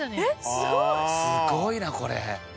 すごいなこれ。